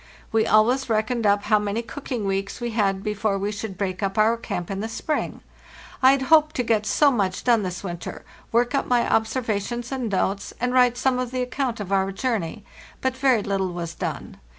We always reckoned up how many cooking weeks we had before we should break up our camp in the spring. I had hoped to get so much done this winter—work up my observations and notes, and write some of the account of our journey; but very little was done.